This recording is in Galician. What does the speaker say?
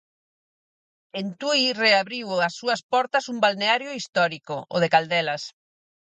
En Tui reabriu as súas portas un balneario histórico, o de Caldelas.